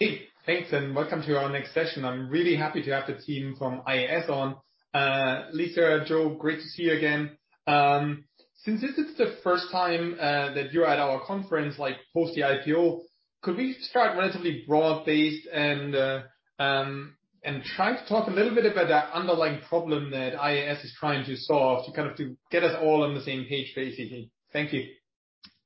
Hey, thanks, welcome to our next session. I'm really happy to have the team from IAS on. Lisa, Joe, great to see you again. Since this is the first time that you're at our conference, like post the IPO, could we start relatively broad-based and try to talk a little bit about that underlying problem that IAS is trying to solve to get us all on the same page, basically. Thank you.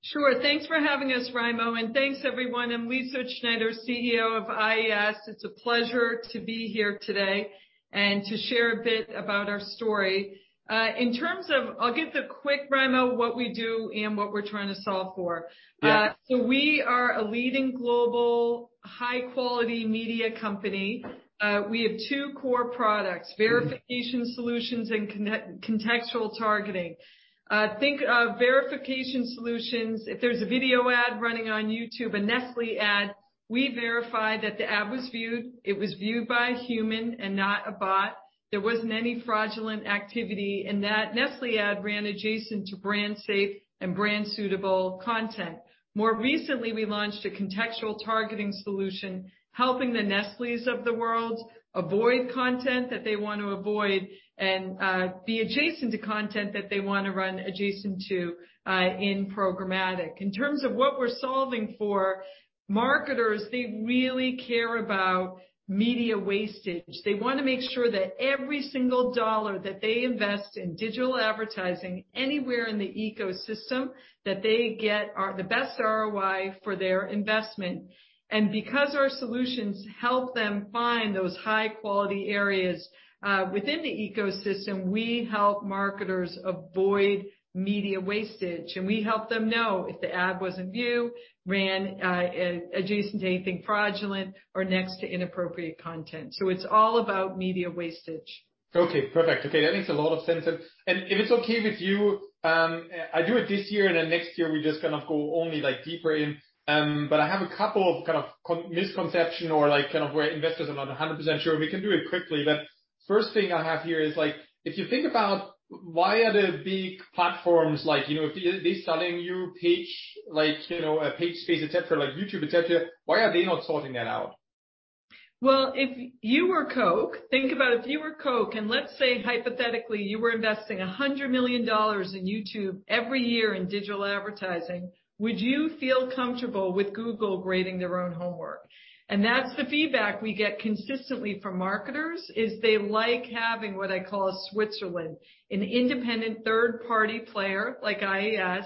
Sure. Thanks for having us, Raimo, and thanks everyone. I'm Lisa Utzschneider, CEO of IAS. It's a pleasure to be here today and to share a bit about our story. I'll give the quick, Raimo, what we do and what we're trying to solve for. Yeah. We are a leading global high-quality media company. We have two core products- Mm. Verification solutions and contextual targeting. Think of verification solutions, if there's a video ad running on YouTube, a Nestlé ad, we verify that the ad was viewed, it was viewed by a human and not a bot. There wasn't any fraudulent activity, and that Nestlé ad ran adjacent to brand safe and brand suitable content. More recently, we launched a contextual targeting solution, helping the Nestlés of the world avoid content that they wanna avoid and be adjacent to content that they wanna run adjacent to in programmatic. In terms of what we're solving for, marketers, they really care about media wastage. They wanna make sure that every single dollar that they invest in digital advertising anywhere in the ecosystem, that they get are the best ROI for their investment. Because our solutions help them find those high-quality areas within the ecosystem, we help marketers avoid media wastage, and we help them know if the ad was in view, ran adjacent to anything fraudulent or next to inappropriate content. It's all about media wastage. Okay, perfect. Okay, that makes a lot of sense. If it's okay with you, I do it this year, and then next year we just kind of go only, like, deeper in. I have a couple of kind of misconception or like kind of where investors are not 100% sure. We can do it quickly, but first thing I have here is, like, if you think about why are the big platforms like, you know, if they're selling you page, like, you know, a page space, et cetera, like YouTube, et cetera, why are they not sorting that out? Well, if you were Coke, think about if you were Coke, and let's say hypothetically you were investing $100 million in YouTube every year in digital advertising, would you feel comfortable with Google grading their own homework? That's the feedback we get consistently from marketers, is they like having what I call a Switzerland, an independent third party player like IAS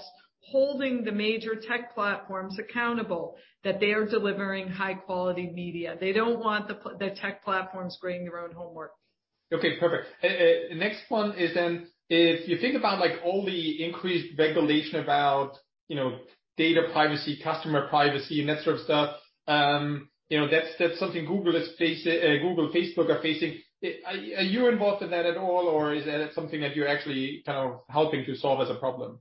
holding the major tech platforms accountable that they are delivering high quality media. They don't want the tech platforms grading their own homework. Okay, perfect. Next one is then if you think about, like, all the increased regulation about, you know, data privacy, customer privacy and that sort of stuff, you know, that's something Google, Facebook are facing. Are you involved in that at all or is that something that you're actually kind of helping to solve as a problem?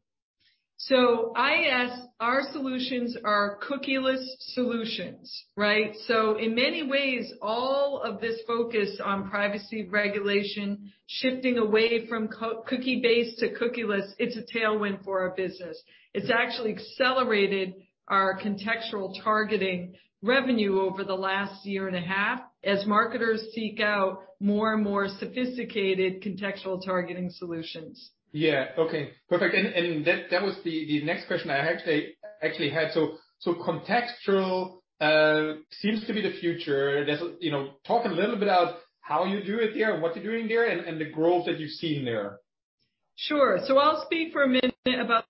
IAS, our solutions are cookieless solutions, right? In many ways, all of this focus on privacy regulation, shifting away from cookie-based to cookieless, it's a tailwind for our business. It's actually accelerated our contextual targeting revenue over the last year and a half as marketers seek out more and more sophisticated contextual targeting solutions. Yeah. Okay, perfect. That was the next question I actually had. Contextual seems to be the future. You know, talk a little bit about how you do it there and what you're doing there and the growth that you've seen there. Sure. I'll speak for a minute about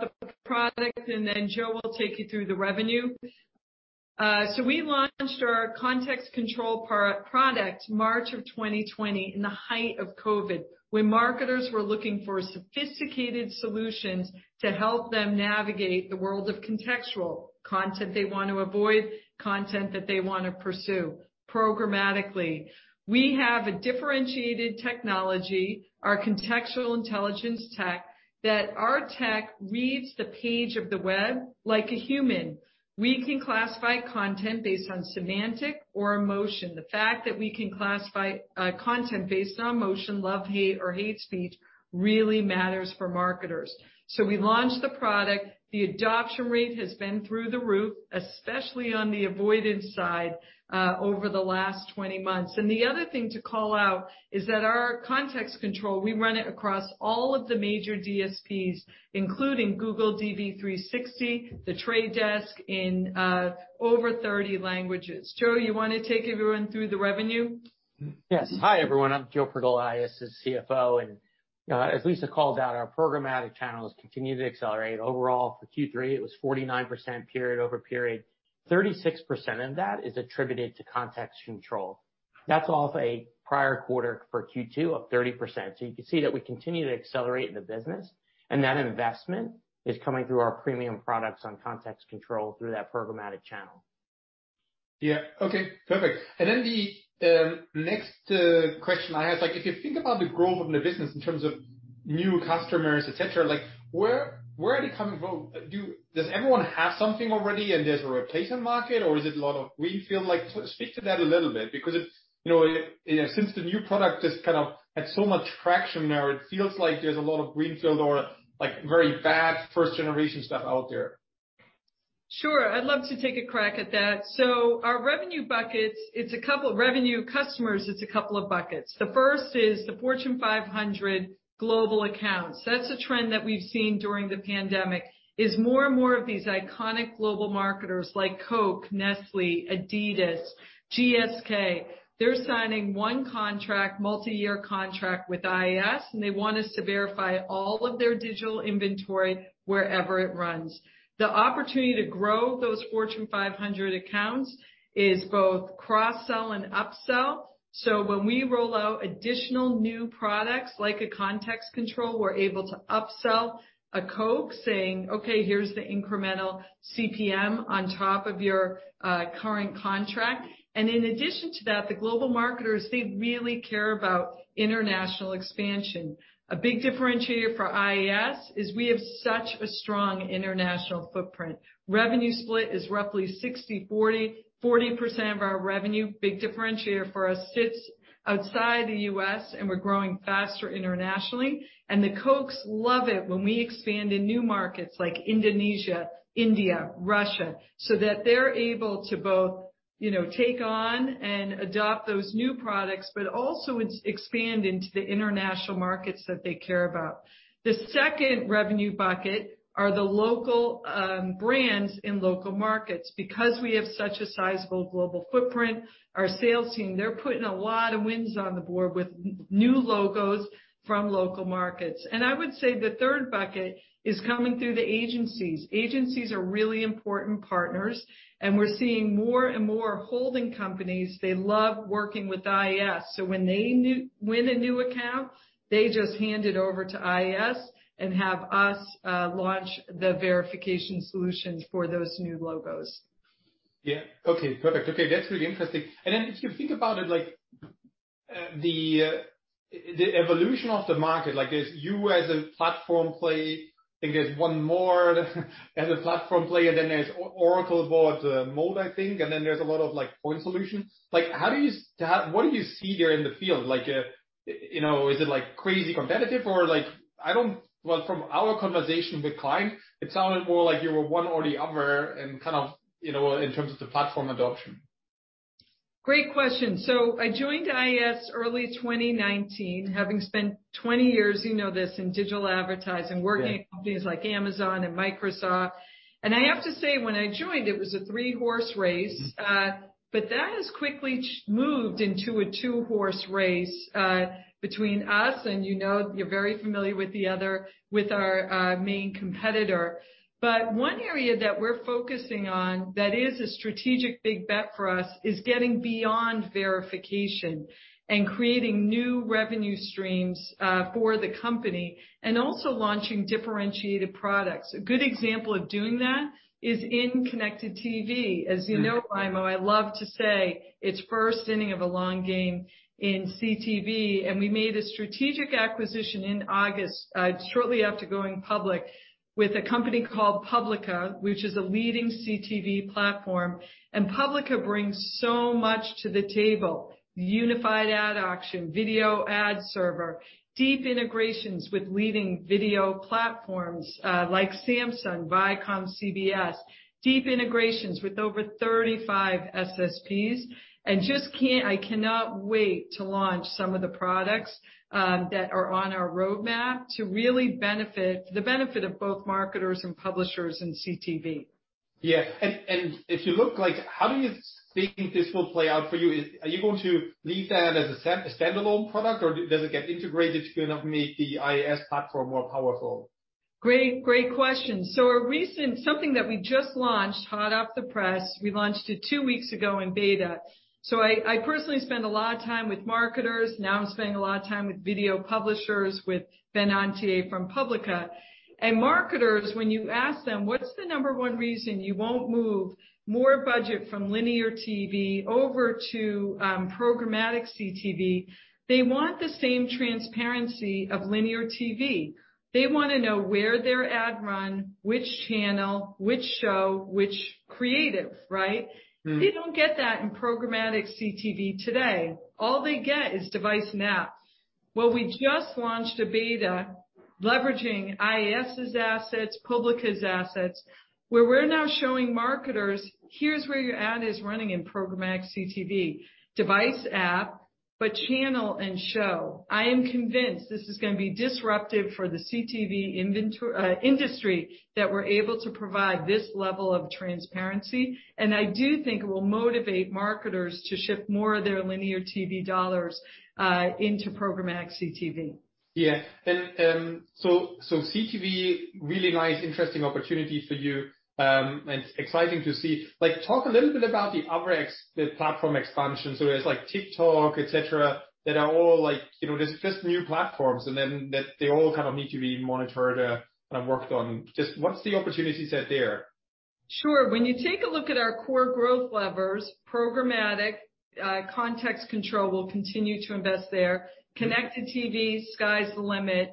the product, and then Joe will take you through the revenue. We launched our Context Control product March of 2020, in the height of COVID, when marketers were looking for sophisticated solutions to help them navigate the world of contextual, content they want to avoid, content that they wanna pursue programmatically. We have a differentiated technology, our contextual intelligence tech, that our tech reads the page of the web like a human. We can classify content based on semantic or emotion. The fact that we can classify content based on emotion, love, hate, or hate speech really matters for marketers. We launched the product. The adoption rate has been through the roof, especially on the avoidance side, over the last 20 months. The other thing to call out is that our Context Control, we run it across all of the major DSPs, including Google DV360, The Trade Desk in over 30 languages. Joe, you wanna take everyone through the revenue? Yes. Hi, everyone, I'm Joe Pergola, IAS's CFO, and as Lisa called out, our programmatic channels continue to accelerate. Overall, for Q3, it was 49% period-over-period. 36% of that is attributed to Context Control. That's off a prior quarter for Q2 of 30%, so you can see that we continue to accelerate the business, and that investment is coming through our premium products on Context Control through that programmatic channel. Yeah. Okay, perfect. The next question I have, like if you think about the growth of the business in terms of new customers, et cetera, like where are they coming from? Does everyone have something already and there's a replacement market or is it a lot of greenfield? Like, so speak to that a little bit because it's, you know, since the new product has kind of had so much traction now, it feels like there's a lot of greenfield or, like, very bad first generation stuff out there. Sure. I'd love to take a crack at that. Our revenue buckets, it's a couple of revenue buckets, it's a couple of buckets. The first is the Fortune 500 global accounts. That's a trend that we've seen during the pandemic, more and more of these iconic global marketers like Coke, Nestlé, Adidas, GSK. They're signing one contract, multi-year contract with IAS, and they want us to verify all of their digital inventory wherever it runs. The opportunity to grow those Fortune 500 accounts is both cross-sell and upsell. When we roll out additional new products like Context Control, we're able to upsell a Coke saying, "Okay, here's the incremental CPM on top of your current contract." In addition to that, the global marketers, they really care about international expansion. A big differentiator for IAS is we have such a strong international footprint. Revenue split is roughly 60/40. 40% of our revenue, big differentiator for us, sits outside the U.S., and we're growing faster internationally. The Cokes love it when we expand in new markets like Indonesia, India, Russia, so that they're able to both, you know, take on and adopt those new products, but also expand into the international markets that they care about. The second revenue bucket are the local brands in local markets. Because we have such a sizable global footprint, our sales team, they're putting a lot of wins on the board with new logos from local markets. I would say the third bucket is coming through the agencies. Agencies are really important partners, and we're seeing more and more holding companies, they love working with IAS. When they win a new account, they just hand it over to IAS and have us launch the verification solution for those new logos. Yeah. Okay, perfect. Okay, that's really interesting. Then if you think about it, like, the evolution of the market, like there's you as a platform play, I think there's one more as a platform play, and then there's Oracle bought Moat, I think, and then there's a lot of, like, point solutions. Like, what do you see there in the field? Like, you know, is it, like, crazy competitive or like. Well, from our conversation with client, it sounded more like you were one or the other and kind of, you know, in terms of the platform adoption. Great question. I joined IAS early 2019, having spent 20 years, you know this, in digital advertising. Yeah. working at companies like Amazon and Microsoft. I have to say, when I joined, it was a three-horse race. Mm-hmm. That has quickly moved into a two-horse race between us and, you know, you're very familiar with the other, with our main competitor. One area that we're focusing on that is a strategic big bet for us is getting beyond verification and creating new revenue streams for the company and also launching differentiated products. A good example of doing that is in connected TV. As you know, Raimo, I love to say it's first inning of a long game in CTV, and we made a strategic acquisition in August, shortly after going public, with a company called Publica, which is a leading CTV platform. Publica brings so much to the table: unified ad auction, video ad server, deep integrations with leading video platforms, like Samsung, Viacom, CBS, deep integrations with over 35 SSPs. I cannot wait to launch some of the products that are on our roadmap to really benefit the benefit of both marketers and publishers in CTV. Yeah. If you look like, how do you think this will play out for you? Are you going to leave that as a standalone product, or does it get integrated to kind of make the IAS platform more powerful? Great question. Something that we just launched, hot off the press, we launched it two weeks ago in beta. I personally spend a lot of time with marketers. Now I'm spending a lot of time with video publishers, with Ben Antier from Publica. Marketers, when you ask them, "What's the number one reason you won't move more budget from linear TV over to programmatic CTV?" They want the same transparency of linear TV. They wanna know where their ad run, which channel, which show, which creative, right? Mm. They don't get that in programmatic CTV today. All they get is device and app. Well, we just launched a beta leveraging IAS's assets, Publica's assets, where we're now showing marketers, "Here's where your ad is running in programmatic CTV, device, app, but channel and show." I am convinced this is gonna be disruptive for the CTV industry, that we're able to provide this level of transparency, and I do think it will motivate marketers to shift more of their linear TV dollars into programmatic CTV. Yeah. So CTV, really nice, interesting opportunity for you, and exciting to see. Like, talk a little bit about the platform expansion. It's like TikTok, et cetera, that are all like, you know, just new platforms, and then they all kind of need to be monitored, and worked on. Just what's the opportunity set there? Sure. When you take a look at our core growth levers, programmatic, Context Control, we'll continue to invest there. Connected TV, sky's the limit.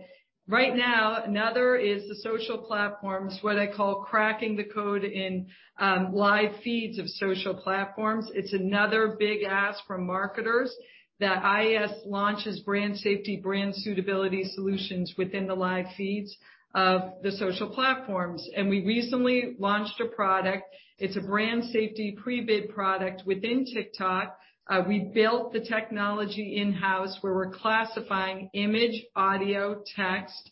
Right now, another is the social platforms, what I call cracking the code in live feeds of social platforms. It's another big ask from marketers that IAS launches brand safety, brand suitability solutions within the live feeds of the social platforms. We recently launched a product, it's a brand safety pre-bid product within TikTok. We built the technology in-house, where we're classifying image, audio, text,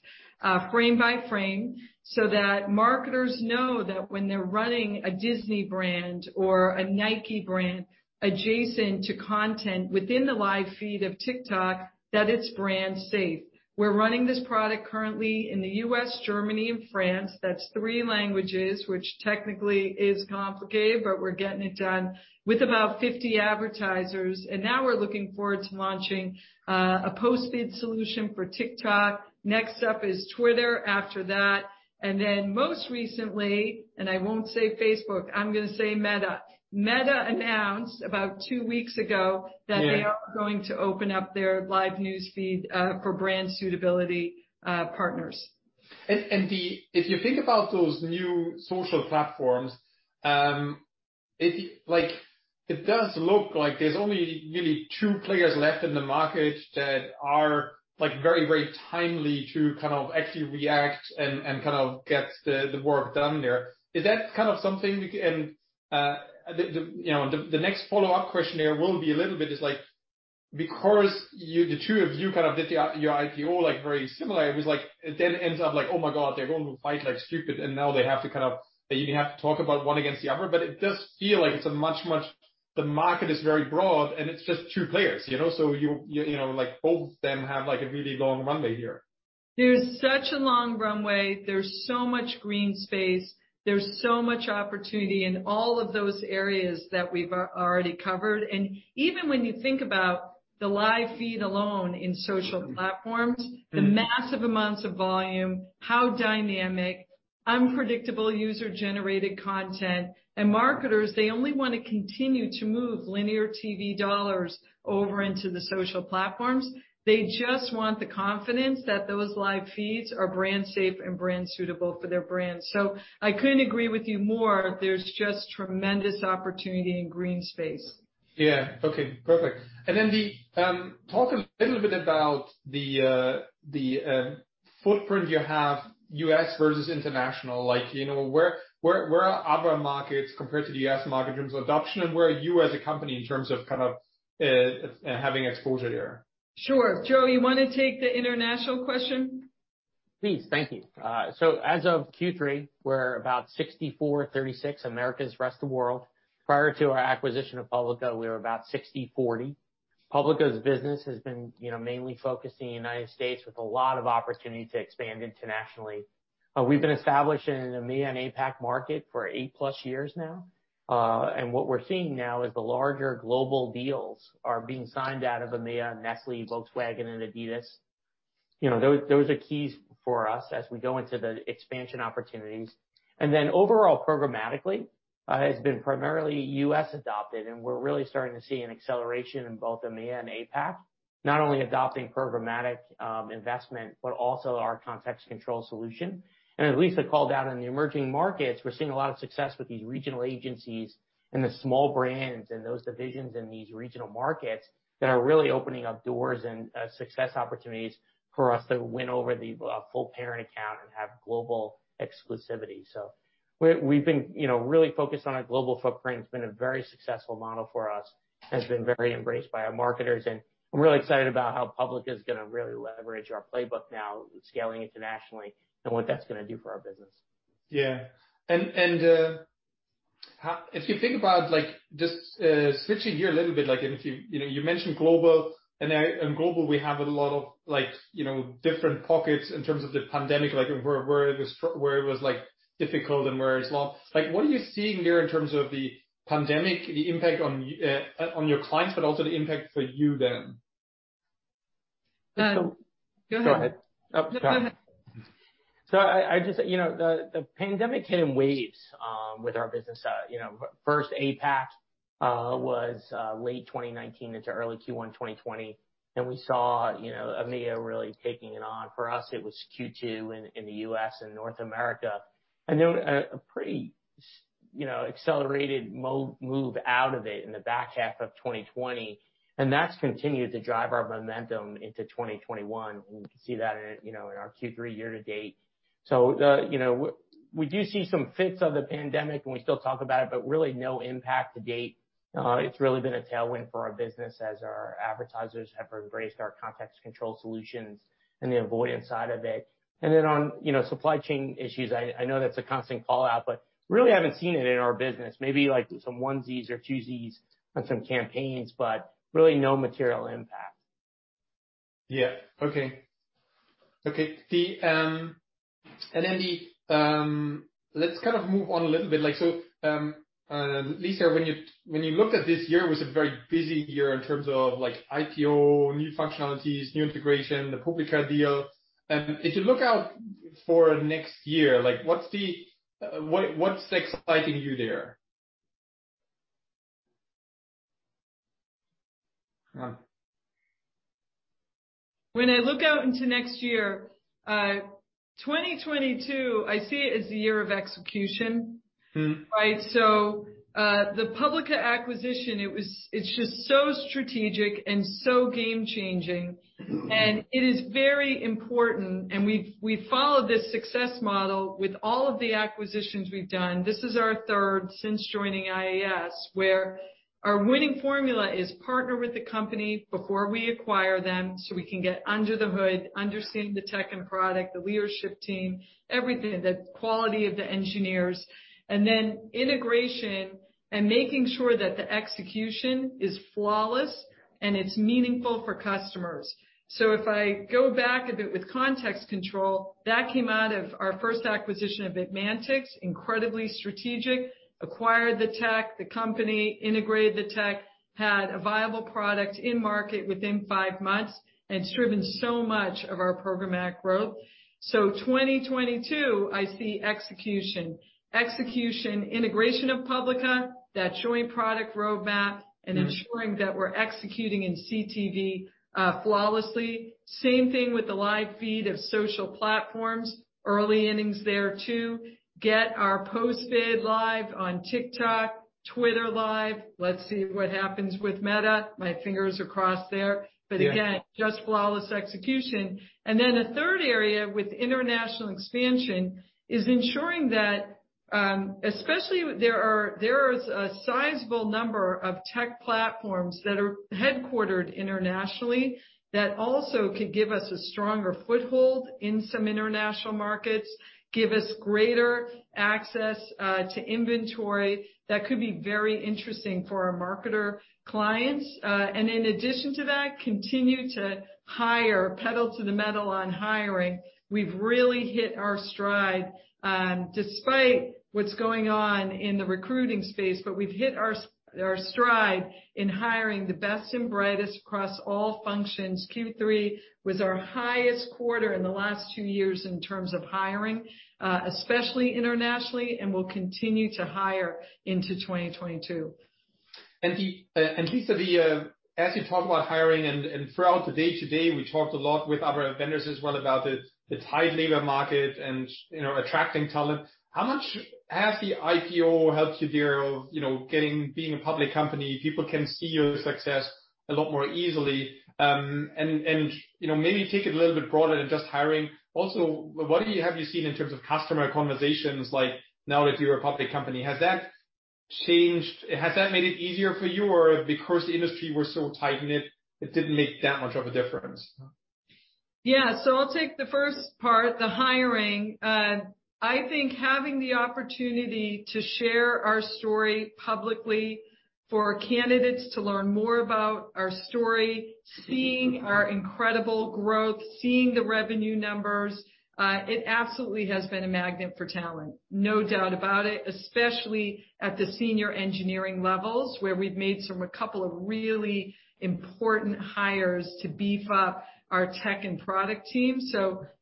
frame by frame, so that marketers know that when they're running a Disney brand or a Nike brand adjacent to content within the live feed of TikTok, that it's brand safe. We're running this product currently in the U.S., Germany and France. That's three languages, which technically is complicated, but we're getting it done, with about 50 advertisers. Now we're looking forward to launching a post-bid solution for TikTok. Next up is Twitter after that. Most recently, and I won't say Facebook, I'm gonna say Meta. Meta announced about two weeks ago. Yeah... that they are going to open up their live newsfeed for brand suitability partners. If you think about those new social platforms, it does look like there's only really two players left in the market that are very timely to kind of actually react and kind of get the work done there. Is that kind of something we can? The next follow-up question there will be a little bit is, like, because you, the two of you kind of did your IPO very similar, it was like, it then ends up, like, oh my god, they're going to fight like stupid, and now they have to kind of. They even have to talk about one against the other. But it does feel like it's a much. The market is very broad, and it's just two players, you know? You know, like, both of them have, like, a really long runway here. There's such a long runway. There's so much green space. There's so much opportunity in all of those areas that we've already covered. Even when you think about the live feed alone in social platforms, the massive amounts of volume, how dynamic, unpredictable user-generated content. Marketers, they only wanna continue to move linear TV dollars over into the social platforms. They just want the confidence that those live feeds are brand safe and brand suitable for their brands. I couldn't agree with you more. There's just tremendous opportunity in green space. Yeah. Okay, perfect. Talk a little bit about the footprint you have, U.S. versus international. Like, you know, where are other markets compared to the U.S. market in terms of adoption, and where are you as a company in terms of kind of having exposure there? Sure. Joe, you wanna take the international question? Please. Thank you. As of Q3, we're about 64/36, Americas, rest of world. Prior to our acquisition of Publica, we were about 60/40. Publica's business has been, you know, mainly focused in the United States with a lot of opportunity to expand internationally. We've been established in the EMEA and APAC market for 8+ years now. What we're seeing now is the larger global deals are being signed out of EMEA, Nestlé, Volkswagen and Adidas. You know, those are keys for us as we go into the expansion opportunities. Then overall programmatic has been primarily U.S. adopted, and we're really starting to see an acceleration in both EMEA and APAC, not only adopting programmatic investment, but also our Context Control solution. As Lisa called out on the emerging markets, we're seeing a lot of success with these regional agencies and the small brands and those divisions in these regional markets that are really opening up doors and success opportunities for us to win over the full parent account and have global exclusivity. We've been, you know, really focused on our global footprint. It's been a very successful model for us, has been very embraced by our marketers, and I'm really excited about how Publica is gonna really leverage our playbook now scaling internationally and what that's gonna do for our business. Yeah. If you think about, like, just switching gears a little bit, like, and if you know, you mentioned global and global we have a lot of, like, you know, different pockets in terms of the pandemic, like where it was. Like what are you seeing there in terms of the pandemic, the impact on your clients, but also the impact for you then? So- Go ahead. Go ahead. No, go ahead. I just, you know, the pandemic hit in waves with our business. You know, first APAC was late 2019 into early Q1 2020, then we saw, you know, EMEA really taking it on. For us, it was Q2 in the U.S. and North America. Then a pretty accelerated move out of it in the back half of 2020, and that's continued to drive our momentum into 2021, and we can see that in, you know, in our Q3 year to date. You know, we do see some effects of the pandemic and we still talk about it, but really no impact to date. It's really been a tailwind for our business as our advertisers have embraced our Context Control solutions and the avoidance side of it. On supply chain issues, you know, I know that's a constant call-out, but really haven't seen it in our business. Maybe like some onesies or twosies on some campaigns, but really no material impact. Yeah. Okay. Okay. Let's kind of move on a little bit. Like, Lisa, when you looked at this year, it was a very busy year in terms of like IPO, new functionalities, new integration, the Publica deal. If you look out for next year, like what's exciting you there? When I look out into next year, 2022, I see it as the year of execution. Mm. Right? The Publica acquisition, it's just so strategic and so game-changing, and it is very important, and we've followed this success model with all of the acquisitions we've done. This is our third since joining IAS, where our winning formula is partner with the company before we acquire them, so we can get under the hood, understand the tech and product, the leadership team, everything, the quality of the engineers, and then integration and making sure that the execution is flawless, and it's meaningful for customers. If I go back a bit with Context Control, that came out of our first acquisition of ADmantX, incredibly strategic, acquired the tech, the company, integrated the tech, had a viable product in market within five months, and it's driven so much of our programmatic growth. 2022, I see execution. Execution, integration of Publica, that joint product roadmap, and ensuring that we're executing in CTV flawlessly. Same thing with the live feed of social platforms. Early innings there too. Get our post feed live on TikTok, Twitter Live. Let's see what happens with Meta. My fingers are crossed there. Yeah. Again, just flawless execution. A third area with international expansion is ensuring that especially there is a sizable number of tech platforms that are headquartered internationally that also could give us a stronger foothold in some international markets, give us greater access to inventory that could be very interesting for our marketer clients. In addition to that, continue to hire pedal to the metal on hiring. We've really hit our stride despite what's going on in the recruiting space, but we've hit our stride in hiring the best and brightest across all functions. Q3 was our highest quarter in the last two years in terms of hiring, especially internationally, and we'll continue to hire into 2022. Lisa, as you talk about hiring and throughout the day today, we talked a lot with our vendors as well about the tight labor market and, you know, attracting talent. How much has the IPO helped you there of, you know, getting being a public company, people can see your success a lot more easily. You know, maybe take it a little bit broader than just hiring. Also, have you seen in terms of customer conversations, like now that you're a public company, has that made it easier for you, or because the industry was so tight, it didn't make that much of a difference? Yeah. I'll take the first part, the hiring. I think having the opportunity to share our story publicly for candidates to learn more about our story, seeing our incredible growth, seeing the revenue numbers, it absolutely has been a magnet for talent. No doubt about it, especially at the senior engineering levels, where we've made a couple of really important hires to beef up our tech and product team.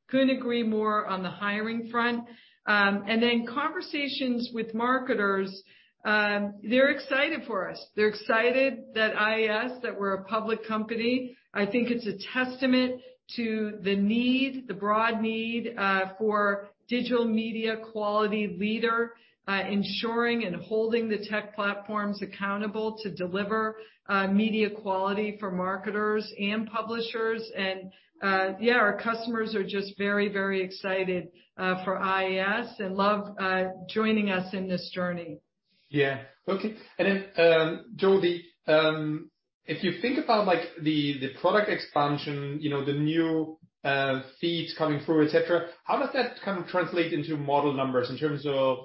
Couldn't agree more on the hiring front. Conversations with marketers, they're excited for us. They're excited that IAS, that we're a public company. I think it's a testament to the need, the broad need, for digital media quality leader, ensuring and holding the tech platforms accountable to deliver, media quality for marketers and publishers. Yeah, our customers are just very, very excited for IAS and love joining us in this journey. Yeah. Okay. Joe Pergola, if you think about like the product expansion, you know, the new feeds coming through, et cetera, how does that kind of translate into model numbers in terms of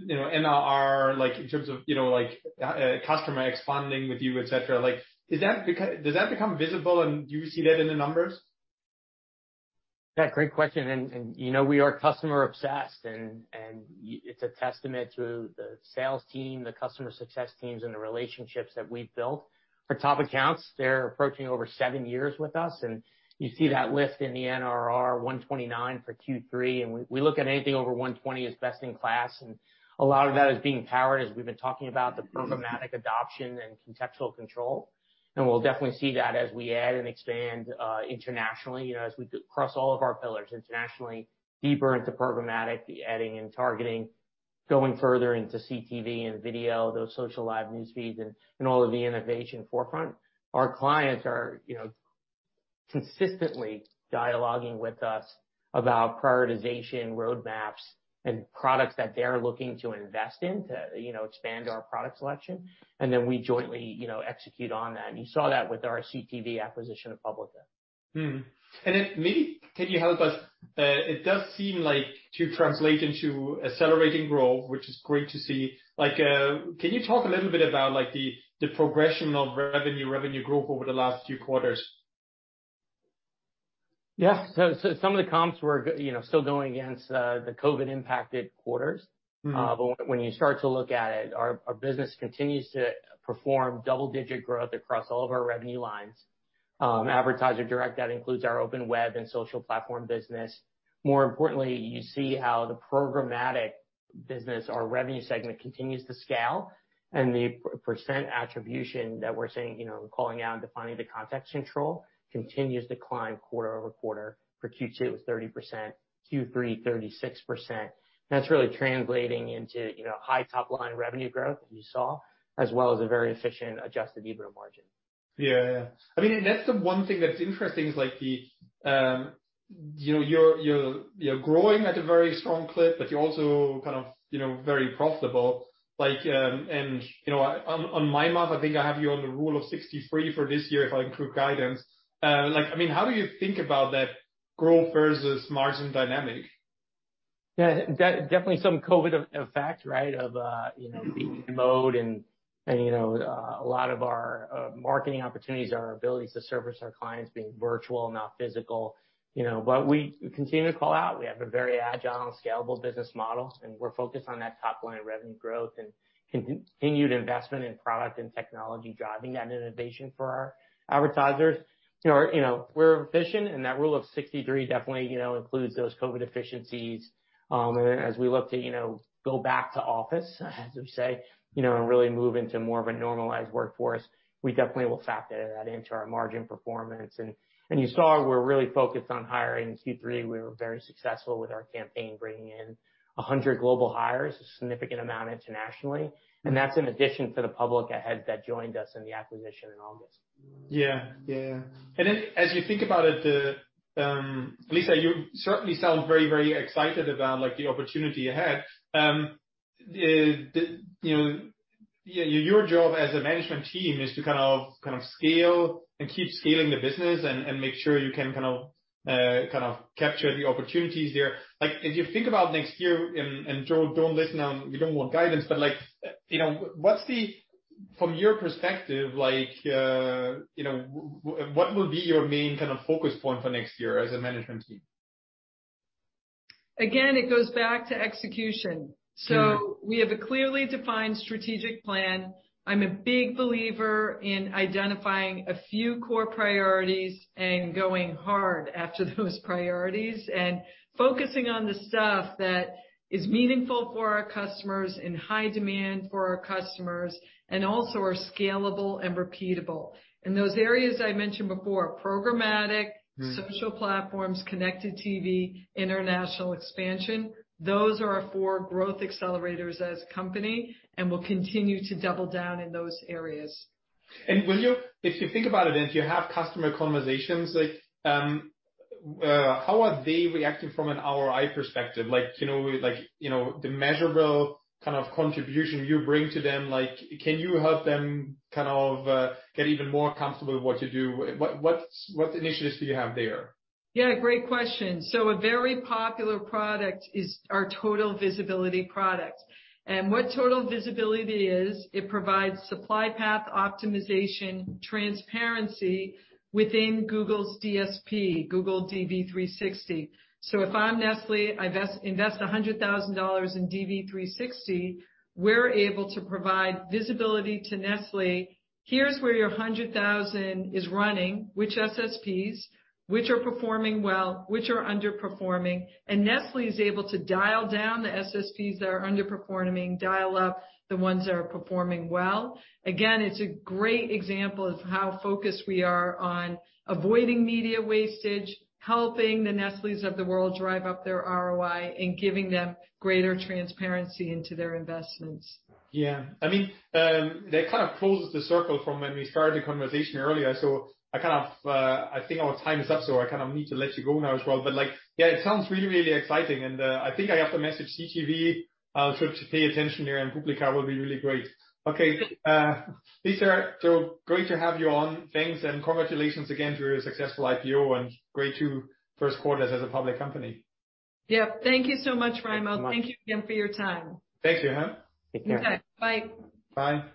you know NRR, like, in terms of you know like customer expanding with you, et cetera? Like, does that become visible, and do you see that in the numbers? Yeah, great question. You know, we are customer-obsessed and it's a testament to the sales team, the customer success teams, and the relationships that we've built. Our top accounts, they're approaching over seven years with us, and you see that lift in the NRR 129 for Q3. We look at anything over 120 as best in class, and a lot of that is being powered, as we've been talking about, the programmatic adoption and Context Control. We'll definitely see that as we add and expand internationally, you know, as we do across all of our pillars, internationally, deeper into programmatic, the adding and targeting, going further into CTV and video, those social live news feeds and all of the innovation forefront. Our clients are, you know, consistently dialoging with us about prioritization, roadmaps, and products that they're looking to invest in to, you know, expand our product selection. Then we jointly, you know, execute on that, and you saw that with our CTV acquisition of Publica. Maybe can you help us? It does seem like to translate into accelerating growth, which is great to see. Like, can you talk a little bit about, like, the progression of revenue growth over the last few quarters? Yeah. Some of the comps were, you know, still going against the COVID-impacted quarters. Mm-hmm. when you start to look at it, our business continues to perform double-digit growth across all of our revenue lines. Advertiser direct, that includes our open web and social platform business. More importantly, you see how the programmatic business, our revenue segment continues to scale, and the percent attribution that we're saying, you know, calling out and defining the Context Control continues to climb quarter-over-quarter. For Q2 it was 30%, Q3 36%. That's really translating into, you know, high top line revenue growth as you saw, as well as a very efficient adjusted EBITDA margin. Yeah. I mean, that's the one thing that's interesting is like the, you know, you're growing at a very strong clip, but you're also kind of, you know, very profitable. Like, you know, on my math, I think I have you on the rule of 63 for this year if I include guidance. Like, I mean, how do you think about that growth versus margin dynamic? Yeah. Definitely some COVID effect, right? Of you know, being remote and a lot of our marketing opportunities and our abilities to service our clients being virtual, not physical, you know. We continue to call out, we have a very agile and scalable business model, and we're focused on that top line revenue growth and continued investment in product and technology, driving that innovation for our advertisers. You know, we're efficient, and that rule of 63 definitely you know, includes those COVID efficiencies. As we look to you know, go back to office, as we say, you know, and really move into more of a normalized workforce, we definitely will factor that into our margin performance. You saw we're really focused on hiring. In Q3, we were very successful with our campaign, bringing in 100 global hires, a significant amount internationally. That's in addition to the Publica head that joined us in the acquisition in August. Yeah. Yeah. As you think about it, Lisa, you certainly sound very, very excited about like the opportunity ahead. You know, your job as a management team is to kind of scale and keep scaling the business and make sure you can kind of capture the opportunities there. Like, as you think about next year, Joe don't listen, we don't want guidance, but like, you know, what's from your perspective, like, you know, what will be your main kind of focus point for next year as a management team? Again, it goes back to execution. Mm-hmm. We have a clearly defined strategic plan. I'm a big believer in identifying a few core priorities and going hard after those priorities and focusing on the stuff that is meaningful for our customers, in high demand for our customers, and also are scalable and repeatable. Those areas I mentioned before, programmatic. Mm. Social platforms, connected TV, international expansion, those are our four growth accelerators as a company, and we'll continue to double down in those areas. If you think about it, if you have customer conversations like, how are they reacting from an ROI perspective? Like, you know, like, you know, the measurable kind of contribution you bring to them. Like, can you help them kind of get even more comfortable with what you do? What initiatives do you have there? Yeah, great question. A very popular product is our Total Visibility product. What Total Visibility is, it provides supply path optimization transparency within Google's DSP, Google DV360. If I'm Nestlé, I invest $100,000 in DV360, we're able to provide visibility to Nestlé. Here's where your $100,000 is running, which SSPs, which are performing well, which are underperforming, and Nestlé is able to dial down the SSPs that are underperforming, dial up the ones that are performing well. Again, it's a great example of how focused we are on avoiding media wastage, helping the Nestlés of the world drive up their ROI, and giving them greater transparency into their investments. Yeah. I mean, that kind of closes the circle from when we started the conversation earlier. I kind of, I think our time is up, so I kind of need to let you go now as well. Like, yeah, it sounds really, really exciting. I think I have the message CTV, so to pay attention here and Publica will be really great. Okay. Lisa, Joe, great to have you on. Thanks, and congratulations again to your successful IPO and great two first quarters as a public company. Yeah. Thank you so much, Raimo. Thank you so much. Thank you again for your time. Thanks, Joe Pergola. Take care. You bet. Bye. Bye.